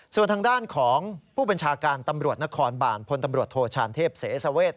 ส่วนทางด้านของผู้บัญชาการตำรวจนครบาลพลตำรวจโทชานเทพเสสเวท